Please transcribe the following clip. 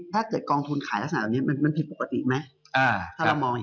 ถ้าเกิดกองทุนขายกราชสถานีถ้าตัวนี้ผิดปกติไหม